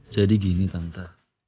jadi gini tante